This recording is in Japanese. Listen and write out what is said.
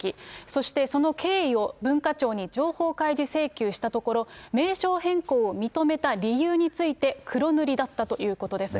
そしてその経緯を文化庁に情報開示請求したところ、名称変更を認めた理由について黒塗りだったということです。